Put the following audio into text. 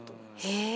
へえ。